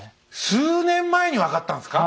数年前に分かったんすか？